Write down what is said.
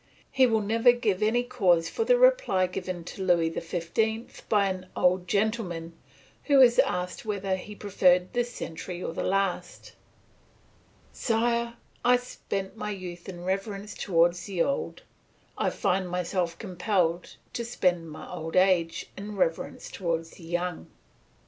He will never give any cause for the reply given to Louis XV by an old gentleman who was asked whether he preferred this century or the last: "Sire, I spent my youth in reverence towards the old; I find myself compelled to spend my old age in reverence towards the young."